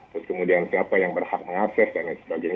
terus kemudian siapa yang berhak meng access dan sebagainya